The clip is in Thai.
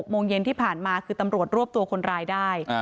โมงเย็นที่ผ่านมาคือตำรวจรวบตัวคนร้ายได้